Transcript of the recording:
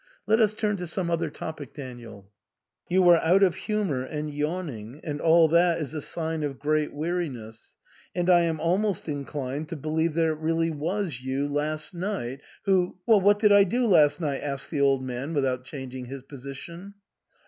Let us turn to some other topic, Daniel. You are out of humour and yawning, and all that is a sign of great weariness, and I am almost inclined to believe that it really was you last night, who "" Well, what did I do last night ?" asked the old man without changing his position.